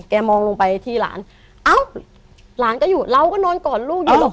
มองลงไปที่หลานเอ้าหลานก็อยู่เราก็นอนกอดลูกอยู่หรอก